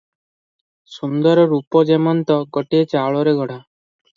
ସୁନ୍ଦର ରୂପ ଯେମନ୍ତ ଗୋଟିଏ ଚାଉଳରେ ଗଢ଼ା ।